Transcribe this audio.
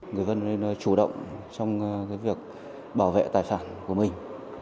người dân nên chủ động trong việc bảo vệ tài sản của mình